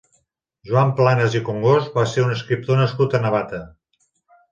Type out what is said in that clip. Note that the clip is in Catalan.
Joan Planas i Congost va ser un escriptor nascut a Navata.